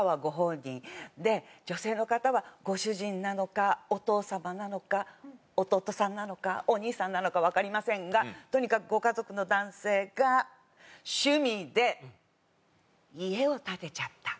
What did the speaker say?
で女性の方はご主人なのかお父様なのか弟さんなのかお兄さんなのかわかりませんがとにかくご家族の男性が趣味で家を建てちゃった。